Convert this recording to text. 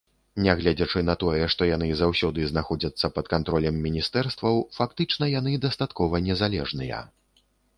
Нягледзячы на тое, што яны заўсёды знаходзяцца пад кантролем міністэрстваў, фактычна яны дастаткова незалежныя.